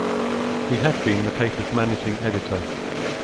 He had been the paper's managing editor.